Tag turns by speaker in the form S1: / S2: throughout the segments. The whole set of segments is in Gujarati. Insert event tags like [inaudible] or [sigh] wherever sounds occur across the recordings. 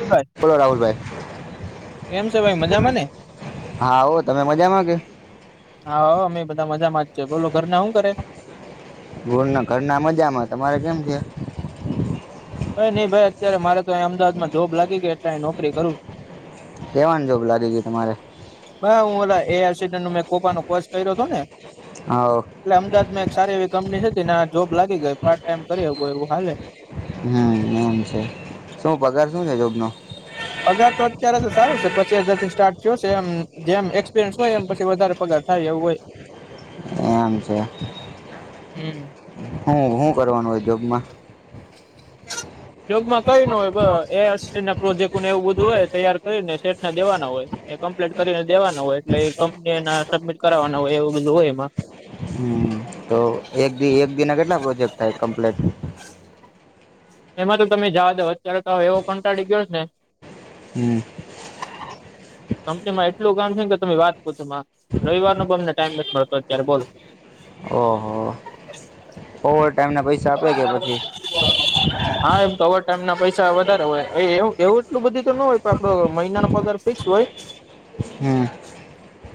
S1: ભાઈ
S2: બોલો
S1: કેમ છે ભાઈ
S2: રાહુલભાઈ
S1: મજામાં ને
S2: હા હો તમે મજામાંગ
S1: હા અમે બધા મજામાં જ છે બોલો ઘર ના શું કરે.
S2: ઘોર ના ઘર ના મજામાં તમારે કેમ છે.
S1: હ નઈ ભાઈ અત્યારે મારે તોહીં અમદાવાદમાં જોબ લાગી ગઈ એટલે અ નોકરી કરું.
S2: કેવાની જો લાગી ગય તમારે
S1: બ હું ઓ એ આરસી મેં કોપાો કોર્ષ કર્યો હતો ને
S2: હા
S1: એટલે અમદાવાદમાં એક સારી એવી કંપની હતી ને આ જોબ લાગી ગઈ પાર્ટ ટાઈમ કરી એવું હાલે
S2: હમ એમ છે શું પગાર શું છે જોબનો
S1: અગાર તો અત્યારે તો સારું છે પચી હગારથી સ્ટાર્ટ થયો છે એમ જેમ સ હોય એમ પછી વધારે પગાર થાય એવું હોય
S2: એમ છે.
S1: હમ.
S2: હું હું કરવાનું હોદ્યોગમાં
S1: યોગમાં કય ન હોય એ ના પ્રોજેક્ટને એવું બધું હોય તૈયાર કરીને શેઠને દેવાના હોય એ કમ્પ્લેટ કરીને દેવાના હોય એટલે કંપની એના સબમિટ કરના હોય એવું બધું હોય એમાં
S2: હમ તો એક એક દિના કેટલા પ્રોજેક્ટ થાય કમ્પ્લીટ
S1: એમાં તો તમે જા દો અત્યારે તો હ એવો કંટાળી ગયો ને
S2: હમ.
S1: [inaudible] કંપની માં એટલું કામ થ કે તમે વાત પ છો રવિર નો પણ અમને ટાઈમ બ મળતો અત્યારે બોલ
S2: ઓહ ઓવર ટાઈમ ના પૈસા આપે કે પછી
S1: [inaudible] હા એમ તો ઓવર ટાઈમ ના પૈસા વધારે હોય એવ એવું એટલું બધું તો ના હોય કે આપડો મહિનાનો પગાર ફિક્સ હોય [inaudible]
S2: હમ.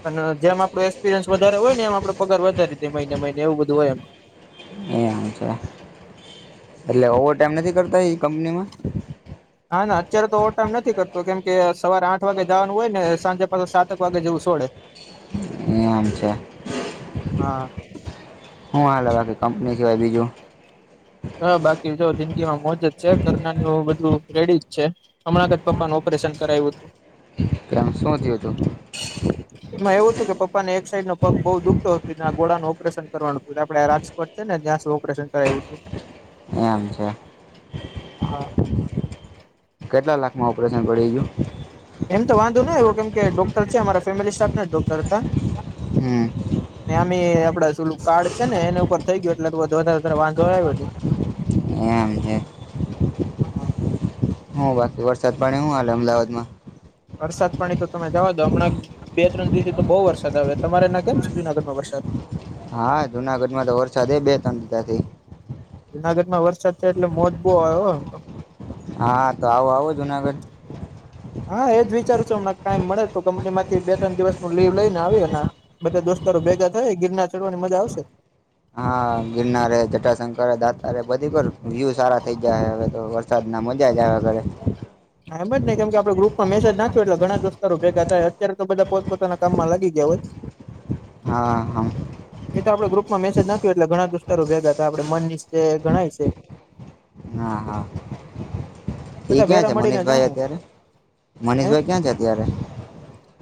S1: અને જેમ આપડો એક્પિરયસ વધારે હોય ને એમ આપડો પગાર વધારે દ મહિને મહિને એવું બધું હોય એમાં
S2: એ આવ છે. એટલે ઓવર ટાઈમ નથી કરતા એ કંપની માં
S1: હા, ના અત્યારે તો ઓ ટાઈમ નથી કરતો કેમ કે સવારે આઠ વાગે જવાનું હોય ને સાંજે પાછે સાતક વાગે જેવું છોડે.
S2: એમ છે.
S1: હા.
S2: હું હા લગવાખ કંપની સિવાય બીજું?
S1: હા, બાકી જો જિંદગીમાં મોજ જ છે કરનાની બધું રેડી જ છે. હમણાં તે પપ્પાનું ઓપરેશન કરાયું હતું-
S2: કેમ શું થયું તું?
S1: એમાં એવું હતું કે પપ્પાને એક સાઈડ નો પગ બઉુ દુખતો હતું ગોળાનું ઓપરેન કરવાનું હતું આપડે રાજકોટ છે ને ત્યાં સુું ઓપરેશન કરાવું છું.
S2: એમ છે.
S1: હા.
S2: કેટલા લાખમાં ઓપરેશન પડાઈ ગ્યું?
S1: એમ તો વાંધો ન એવો કેમ કે ડોક્ટર છે અમારા ફેમિલી સ્ટાફને ડોક્ટર હતા
S2: હમ્મ.
S1: ને આમે એ આપડા શલું કાર્ડ છે ને એના ઉપર થઈ ગયું એટલે તો બધ વધારે વધારે વાંધો આવો નહીં.
S2: એમ છે.
S1: હા
S2: હું બાકી વરસાદ પાડે હું હાલે અમદાવાદ માં?
S1: વરસાદ પાણી તો તમે જવા દો હમણાં બે ત્રણ દિવસથી તો બહુ વરસાદ આવે તમારે એના કેમ છે જૂનાગર માં વરસાદ?
S2: હા, જુનાગઢમાં તો વરસાદ એ બે ત્રણ દીધા થી.
S1: જુનાગઢ માં વરસાદ થાય એટલે મોજબો આવે એમ તો.
S2: હા, તો આવો આવો જુનાગઢ.
S1: હા, એજ વિચારું છું હમ કાઈમ મળે તો કંપની માંથી બે ત્રણ દિવસ નું લીવ લઈ ને આવી એના બધા દોસ્તારો ભેગા થાય ગિરના ચડવાની મજા આવશે.
S2: હા, ગિરના રે જટાશંકર દાતા રે બધી વ્યુ સારા થઇ જાય વધે વર સાદના મજાજ આવે ઘરે.
S1: હા, એમ જ નઈ કેમ કે આપડે ગ્રુપમાં મેસેજ નાખ્યું હો એટલે ઘણા દોસ્તો ભેગા થાય અત્યારે તો બધા પોત પોતાનામાં લાગી ગયા હોય. [inaudible]
S2: હા, હમ્મ.
S1: એ તો આપડે ગ્રુપમાં મેસેજ નાખ્યું એટલે દોસ્તારો ભેગા હતા આપડે મન મનીશ ધણાય છે. [inaudible]
S2: હા, હા. તે એ
S1: બધા
S2: ક્યાં
S1: ભેરા
S2: છે
S1: મળીને
S2: મનીષભાઈ
S1: જાહું
S2: અત્યારે,
S1: હે
S2: મનીષભાઈ ક્યાં છે અત્યારે?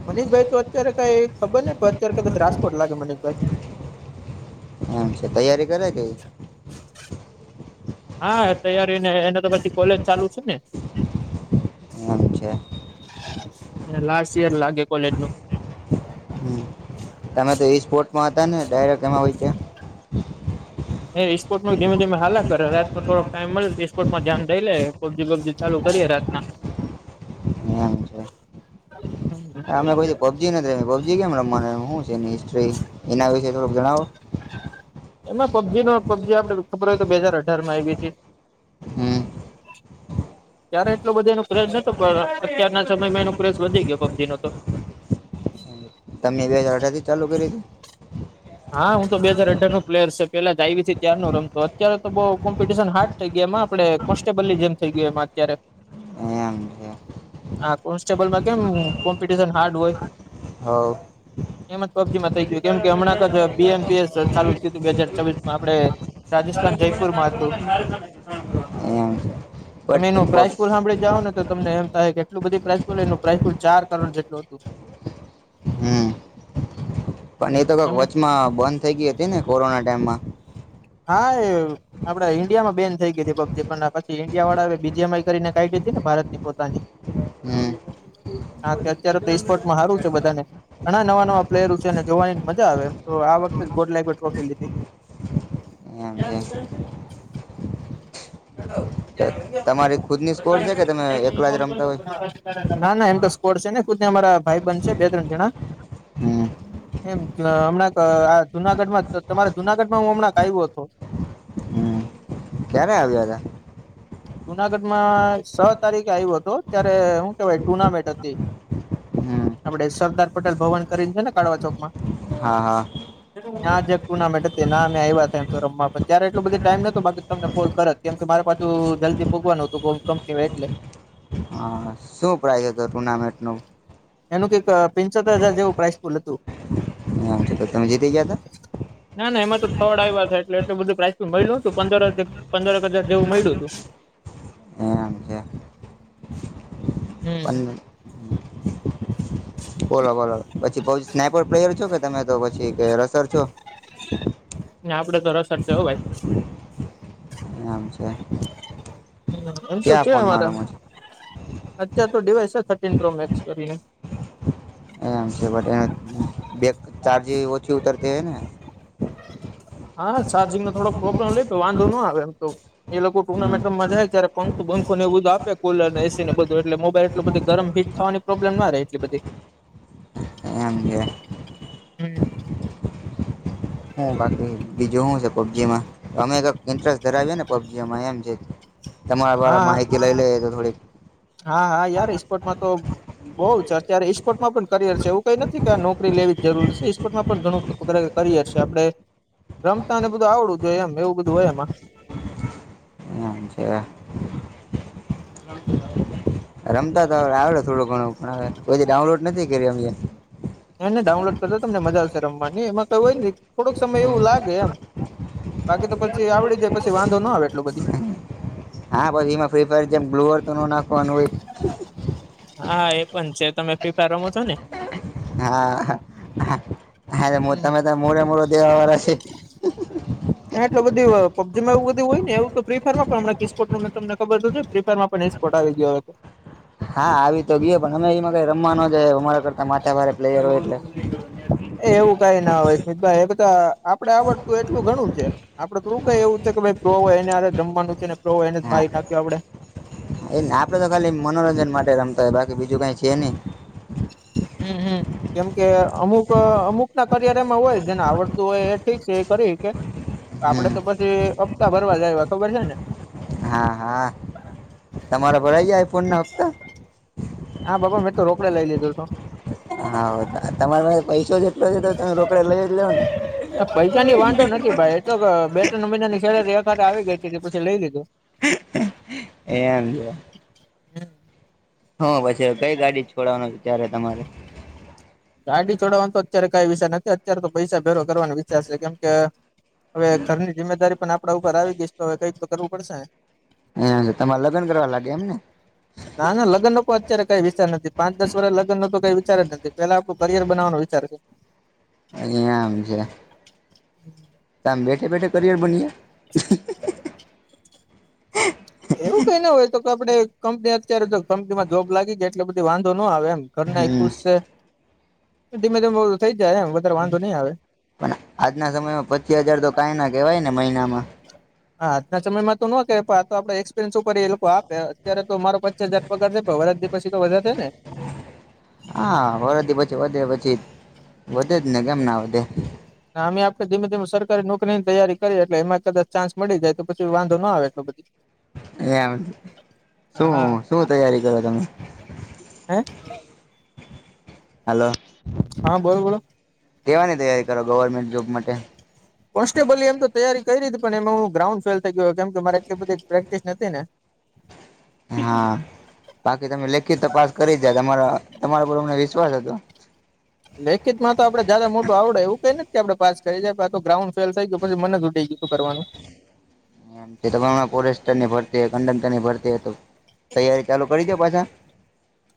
S1: મનીષભાઈ તો અત્યારે કઈ ખબર ને અત્યારે કદાચ રાજકોટ લાગે મનીષભાઈ.
S2: આમ છે, તૈયારી કરે છે ઈ?
S1: હા, તૈયારી ને એને તો પછી કોલેજ ચાલુ છે ને.
S2: એમ છે
S1: એને લાસ્ટ ઇયર લાગે કોલેજનું.
S2: હમ તમે તો એ સ્પોર્ટમાં હતા ને ડાયરેક્ટ એમાં હોય છે.
S1: એ સપોર્ટમાં ધીમે-ધીમે હાલ્યા કરે રાતે થોડો ટાઈમ મળે તો સ્કોર્ટમાં ધ્યાન દઈ લે પબજી વબજી ચાલુ કરીએે રાતના.
S2: એમ છે. અમે કો પબજી નથી રમી? પબજી કેમ રમવાની શું છે એની હિસ્ટ્રી એના વિશે થોડક જણાવો.
S1: એમાં પબજી ના પબજી આપડે ખબર હોય તો બે હાજર અઢારમાં આઈ ગઈ તી.
S2: હમ્મ.
S1: [inaudible] ત્યારે એટલો બધા એનો ક્રેશ પણ અત્યારના સમયમાં એનો ક્રેશ વધી ગયો પબજીનો તો. [inaudible]
S2: તમે બે હજાર અઢરથી ચાલુ કરી તી?
S1: હા, હું તો બે હજર અઢારનું પ્લેયર છેે, પેલા જ આવીથી ત્યારનો રમતો અત્યારે તો બઉુ કોમ્પિટિશન હા થઈ ગયા એમાં આપડે કોન્સ્ટેબલની જેમ થઇ ગઈ એમાં અત્યારે.
S2: એમ છે
S1: આ કોન્સ્ટેબલમાં કેમ કોમ્પિટશન હાર્ડ હોય
S2: હા.
S1: એમ જ પબ્જીમાં થઈ ગયુ કેમ કે હમણાં બી એમ પી એસ અ ચાલુ થીયું તુ બે હાજર ચોવીસમાં આપણે
S2: હમ્મ.
S1: તમે એનું પ્રાઈકૂલ હાભળી જાવો ને તો તમને એમ થાય કે એટલી બધી પ્રાઈકૂલ એનું પ્રાઈકૂલ ચાર કરોડ જેટલ હતું.
S2: હમ્મ, પણ
S1: હમ
S2: એ તો કંઈક
S1: એમાં
S2: વચમાં બંધ થઈ ગઈ હતીને કોરોના ટાઈમમાં
S1: હા, એ આપણે ઈન્ડિયામાં બેન થઈ ગઈ હતી પબ્જી પણ એના પછી ઈન્ડિયા વાળા બી જી એમ આઈ કરીને કાયઢી તી ને ભારતની પોતાની.
S2: હમ્મ.
S1: હા, અત્યારે તો દેશ પરતુ માં હારું છે. બધાને ઘણા નવા-નવા પ્લેર છેને જોવાની મજા આવે તો આ વખતે ગોલ્ડ લાઈવલ ટ્રોફી લીધી.
S2: એમ
S1: [inaudible]
S2: છે તમારી ખુદની સ્કોડ છે કે તમે એકલા જ રમતા હોય?
S1: ના-ના એમ તો સ્કોડ છે ને ખુદ ને અમારા ભાઈ બંધન છે બે-ત્રણ જેળા.
S2: હમ
S1: એમ ત હમણાં આ જુનાગઢમાં ત તમારા જુનાગઢમાં હું હમણાં આવ્યો તો.
S2: હમ ક્યારે આવ્યા હતા?
S1: જુનાગઢમાં છ તારીખે આવ્યો હતો ત્યારે હું કેવાય ટુર્નામેન્ટ હતી.
S2: હમ
S1: આપણે સરદાર પટેલ ભવન કરીને છે ને કાળવા ચોકમાં?
S2: હા, હા.
S1: હેલો. ના, જક ટુર્નામેન્ટ હતી ના મેં આવ્યા તા એમ તો રમવા પણ ત્યારે એટલો બધું ટાઈમ નોતો બાકી તમને ફોન કરત કેમ કે મારે પાછું જલ્દી પોઘવાનું હતું કોક કંપનીમાં એટલે.
S2: હા શું પ્રાઇસ હતું ટુર્નામેન્ટનું?
S1: એનું કંઈક પેનચોતર હજાર જેવું પ્રાઇસ પુલ હતું.
S2: હમ્મ, તો તમે જીતી ગયા હતા?
S1: ના ના એમાં તો થર્ડ આવ્યા તા એટલે એટલુ બધું પ્રાઇસ મળ્યું તું પંદર હજાર પંદર હજાર જેવું મળ્યું તું.
S2: હતા એમ પંદર. બોલો બોલો પછી પ સ્નાયપર પ્લેયર છો કે તમે તો પછી કે રસર છો.
S1: આપડે તો રસડ છે હો ભાઈ.
S2: એમ છે.
S1: હમ એમ તો
S2: ક્યાં
S1: છે
S2: ફોનમાં
S1: અમારા
S2: રમો છો
S1: અત્યાર તો ડડીવાઈસ છે થર્ટીન પ્રો મેક્સ કરીને.
S2: એમ છે બટ એને બેક ચાર્જી ઓછી ઉતરતી હોય ને.
S1: હા ચાર્જિંગ નો થોડો પ્રોબ્લેમ લઈ વાંધો ના આવે એમ તો. એ લોકો
S2: હમ
S1: ટુર્નામેન્ટ રમવા જાય ત્યારે પંખો બખો ને એ બઘું આપે કુલર ને એસીને બધું એટલે મોબાઈલ એટલુ બધુ ગરમ હી થવાની પ્રોબ્લેમ ના રહે એટલી બધી.
S2: એમ કે.
S1: હમ
S2: હું બાકી બીજું હું છે પબજીમાં અમે તો ઇન્ટરેસ્ટ ધરાવીએ ને પબજીમાં એમ છે. તમારા
S1: હા
S2: વારા
S1: હા
S2: માહિતી લઈ લઈએ તો થોડીક
S1: હા હા યાર ઇસ્પોર્ટમાં તો. બઉ છે અત્યારે ઇપોર્ટમાં પણ કરિયર છે એવું કઈ નથી કે આ નોકરી લેવી જરૂરી છે સ્પોર્ટમાં પણ ઘણું કુતરે કરીય હશે આપડે રમતા ને બધું આવડું જોઈ એમ એવું બધું હોય એમાં.
S2: એવું છે એમ.
S1: હમ [inaudible]
S2: રમતા તા હવે આવડે થોડું ઘણું ગણું પણ હવે કોઈ દી ડાઉનલોડ નથી કરીયા.
S1: એને ડાઉનલોડ કરતા તમને મજા આવશે રમવાની એમાં કઈ હોય ને થોડોક સમય એવું લાગે એમ બાકી તો પછી આવડી જાય પછી વાંધો ન આવે એટલું બધી
S2: હા પછી એમાં ફ્રી ફાયર જેમ બુલ્વર તોનું નાખવાનું હોય.
S1: હા એ પણ છે તમે ફી ફાયર રમો છો ને.
S2: હા હ હ તમે તો
S1: હમ
S2: મોરે મૂરો દેવા વાળા છે
S1: હ હ એટલે બધું પબજી એવું બધુંય ને એવું ફ્રી ફાયરમાં પણમ કિસ્પર્ટું ને તમને ખબર છે ફ્રી ફાયરમાં પણ ફોટાવી ગયો
S2: હા આવી તો ગયો પણ અમે એમાં કઈ રમવા ના જઈએ અમારા કરતા માથા ભારે પ્લેયર હોય એટલે
S1: [inaudible] એ એવું કઈ ના હોય અમિતભાઈ એ બધા આપડે આવડતું એટલું ઘણું છે આપડે થોડું કઈ એવું છે કે ભાઈ પ્રો હોય એને હારે જ રમવાનું છેને પ્રો હોય એને જ મારી નાખ્યો આપડે
S2: એને આપડે તો ખાલી મનોરંજન માટે રમતા હોય બાકી બીજું કાઈ છે નહી
S1: હમ્મ હમ્મ. કેમ કે અમુક અમુક ના કરિયર એમાં હોય જેને આવડતું હોય એ ઠીક છે એ કરી હકે આપડે
S2: હમ
S1: તો પછી અપ્તા ભરવા જાય ખબર છે ને
S2: હા હા તમારા પર આઈ જાય ફોન ના હપ્તા
S1: હા બાપા મેં તો રોકડે લઈ લીધો તો
S2: હા તમારા પાસે પૈસો જેટલો છે તો તમે રોકડા લઈ જ લો ને
S1: પૈસાની વાંધો નથી ભાઈ એ તો બે ત્રણ મહિનાની શેલેરી એકા આવી ગઈ હતી પછી લઈ દીધું
S2: એ એમ છે હ પછી કઈ ગાડી છોડવાનું ત્યારે તમારે
S1: ગાડી છોડવાનો તો અત્યારે કઈ વિચાર નથી અત્યારે તો પૈસા ભેરો કરવાનો વિચાર છે કેમ કે હવે ઘરની જિમ્મેદારી પણ આપડા ઉપર આવી ગઈશ તો હવે કઈ તો કરવું પડશે ને
S2: હે તમાર લગ્ન કરવા લાગયા એમ ને
S1: ના ના લગ્નનો તો અત્યારે કઈ વિચાર નથી પાંચ દસ વર્ષ લગ્નનો તો કઈ વિચાર જ નથી. પેલા આપડું કરિયર બનાવાનો વિચાર છે.
S2: અહીંયા આમ છે. તામ બેઠે બેઠે કરિયર બનીએ
S1: [inaudible] એવું કઈ ના હોય તો કે આપડે કંપની અત્યારે કંપનીમાં જોબ લાગી ગાય એટલે બધી વાંધો ન આવે એમ.
S2: ગયા
S1: ઘરના એ
S2: હમ
S1: ખુશ છે ધીમે ધીમે થઇ જાય એમ વધારે વાંધો નહી આવે.
S2: પણ આજના સમયમાં પચીસ હજાર તો કઈ ના કેવાય ને મહિનામાં.
S1: હા આજના સમયમાં તો નો કેવાય આપડે એક્સપિરિયન્સ ઉપર એ લોકો આપે અત્યારે તો મારો પચા હજાર પગાર છે વરસ પછી તો વધારે થહે ને.
S2: હા વળથી પછી વધે પછી વધે જ ને કેમ ના વધે.
S1: અમે આપડે ધીમે ધીમે સરકારી નોકરીની તૈયારી કરીએ એટલે એમાં કદાચ ચાન્સ મળી જાય તો પછી વાંધો ના આવે એટલો બધો
S2: એમ
S1: હા
S2: શું શું તૈયારી કરો તમે.
S1: હે.
S2: હલો
S1: હા બોલો બોલો
S2: કેવાની તૈયારી કરો ગવર્મેન્ટ જોબ માટે
S1: કોન્સ્ટેબલ એમ તો તૈયારી કરી હતી પણ એમાં હું ગ્રાઉન્ડ ફેલ થઈ ગયો કેમ કે મારે એટલી બધી પ્રેક્ટિસ નથી ને [inaudible]
S2: હા બાકી તમે લેખિત તપાસ કરી જયા તમારા તમારા પર અમને વિશ્વાસ હતો.
S1: લેખિત માં તો આપડે મોટું આવડે એવું કઈને કે આપડે પાસ કરી જાએ તો ગ્રાઉડ ફેલ થઈ ગયું પછી મને ઊઠી ગયું. શું કરવાનું.
S2: એ તમાર ફોરેસ્ટર ની ભરતી કડકટરની ભરતી તૈયારી ચાલુ કરી દો પાછા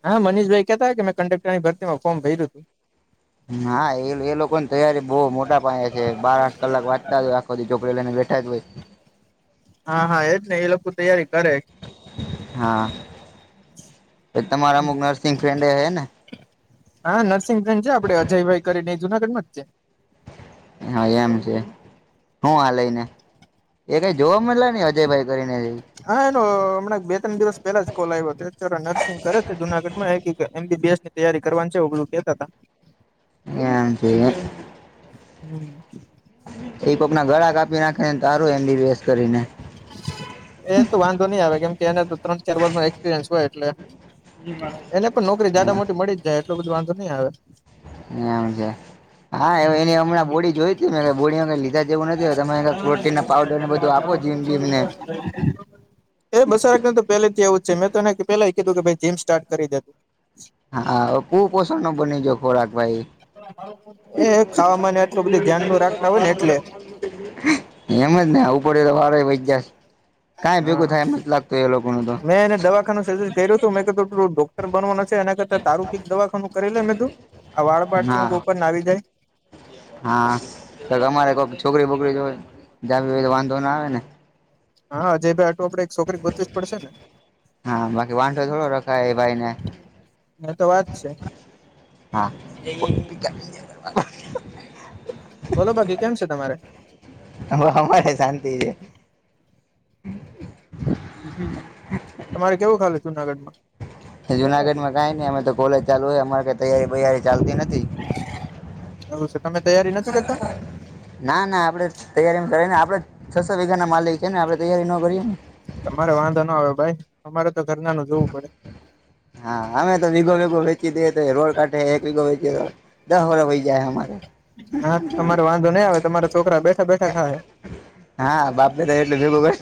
S1: હા મનીષભાઈ કેતા હોય મેં કંડક્ટર ની ભરતી ફોમ ભર્યું હતું.
S2: હા એ એ લોકોની તૈયારી બહુ મોટા પાયા છે બાર આઠ કલાક વાંચતા જ કદી ચોકડે લઈને બેઠા જ હોય.
S1: હા હા એજ ને એ લોકો તૈયારી કરે
S2: હા એ તમારા અમુક નરસિહ ફ્રેન્ડ એ હે ને
S1: હા નરસિંહબેન ચ્યા આપડે અજયભાઈ કરીનેઈ જુનાગઢ માં જ છે.
S2: હા એમ છે હું આ લઈને એ કઈ જોવા મળલા નઈ અજયભાઈ કરીને જ
S1: હા એનો હમણાં બે ત્રણ દિવસ પેલા જ કોલ આવ્યો હતો નર્સિંગ કરે છે જુનાગઢમાં એક એમ બી બી એસ તૈયારી કરવાની છે એવુ બધું કેતા હતા.
S2: એમ છે.
S1: હમમ.
S2: એક કોક ના ગળા કાપી નાખે ને તારું એમ બી બીએસ કરીને.
S1: એ તો વાંધો નય આવે કેમ કે એને તો ત્રણ ચાર વર્ષ નો એક્સપિરિયન્સ હોય એટલે. એને પણ નોકરી જદા માંથી મળી જ જાય એટલો બધું વાંધો નહી આવે.
S2: હમમ છે હા હવે એની હમણાં બોડી જોઈતી હતી કે બોડી અવે લીધા જેવું નથી હતું તમે પ્રોટીન ના પાવડર ને બધું આપો જીન-
S1: [inaudible] એ બસરાક ને તો પેલે થી એવું જ છે મેં તને પેલા યે કીધું કે ભઈ જીમ સ્ટાર્ટ કરી દે.
S2: હા કુ પોષણ નો બની ગયો ખોરાક ભાઈ.
S1: એ ખાવામાંને એટલું બધું ધ્યાન નું રાખતા હોય ને એટલે
S2: [inaudible] એમ જ ને આવું પડે તો વારો વહી ગયા છે કઈ ભેગું
S1: હા
S2: થાય એમ નથી લાગ તે લોકોનું તો
S1: મેં એને દવાખાનું સજેસ્ટ કર્યું હતું મે કીધું તું ડોક્ટર બનવાનો છે એના કરતા તારુ કઈ દવાખાનું કરી લે મે તું. આ વાળ પાડ છે હું
S2: હા
S1: ઉપર ના આવી જાય.
S2: હા તો તમારે કોઈ છોકરી બોકરી જોવી હોય તો વાંધો ના આવે ને.
S1: હા હજય ભાઈ આટું આપડે છોકરી ગોતવી જ પડશે
S2: હા બાકી વાંધો થોડો રખાય ભાઈ ને.
S1: એ તો વાત છે.
S2: હા. [inaudible]
S1: બોલો બાકી કેમ છે તમારે.
S2: અમારે હા છે શાંતિ છે.
S1: તમારે કેવુંક હાલે જુનાગઢ માં
S2: જુનાગઢ માં કઈ નઈ અમે તો કોલેજ ચાલુ હે અમારે કઈ તૈયારી બેયારી ચાલતી નથી.
S1: એવુ છે તમે તૈયારી નથી કરતા.
S2: ના ના આપડે તૈયારી કર ને આપડે છસો વીઘા ના માલિક છે ને આપણે તૈયારી ન કરીએ ને.
S1: તમારે વાંધો ના આવે ભાઈ અમારે તો ઘરના નું જોવું પડે.
S2: હા અમે તો વીગો વગો વેચી દેએ તો રોડ કાઢે એક વીગો વેચી દસ વરસ વહી જાય અમારે.
S1: હા તમારો વાંધો નઈં આવે તમારા છોકરા બેઠા બેઠા ખાહે.
S2: હા બાપે એટલે ભેગો કર.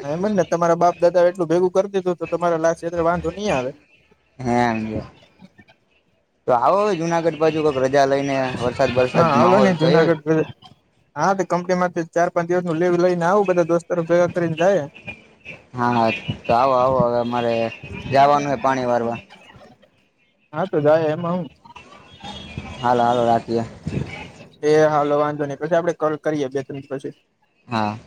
S1: હા એમજ ને તમારા બાપ દાદા એટલું ભેગું કર દીધું તો તમારા લાજ વાંધો નહીં આવે.
S2: હા એમજ તો આવો જુનાગઢ બાજુ કક રજા લઈને વરસાદ વરસાદ માહોલ થયો
S1: હમમ. હા તો કંપની માંથી ચાર પાંચ દિવસ નો લીવ લઈ ને આવું બધા દોસ્તોર ભેગા કરીને જાયે.
S2: હા હા તો આવો આવો હવે અમારે જવાનું હે પાણી વારવા.
S1: હા તો જાયે એમાં હું.
S2: હાલો હાલો રાખીએ.
S1: એ હાલો વાંધો નઈ પછી આપડે કોલ કરીએ બે ત્રણ પછી
S2: હા.